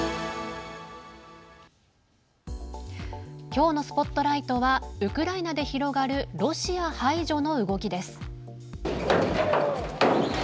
きょうのＳＰＯＴＬＩＧＨＴはウクライナで広がるロシア排除の動きです。